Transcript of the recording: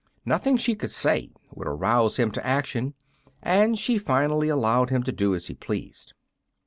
Nothing she could say would arouse him to action, and she finally allowed him to do as he pleased.